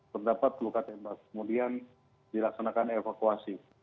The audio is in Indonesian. terdapat luka tembak kemudian dilaksanakan evakuasi